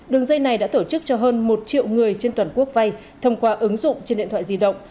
đường dây này đã tổ chức cho hơn một triệu người trên toàn quốc vay thông qua ứng dụng trên điện thoại di động